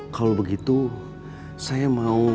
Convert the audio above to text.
kalau begitu saya mau